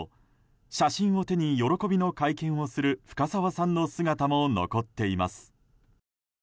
写真を手に喜びの会見をする深沢さんの姿も残っています。